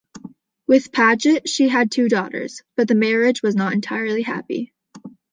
With Paget she had two daughters, but the marriage was not entirely happy.